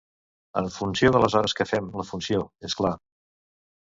En funció de les hores que fem la funció, és clar.